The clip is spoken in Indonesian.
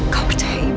kau percaya ibu kan